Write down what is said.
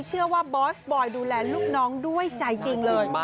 เชื่อว่าบอสบอยดูแลลูกน้องด้วยใจจริงเลย